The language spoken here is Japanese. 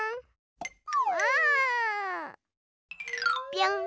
ぴょん！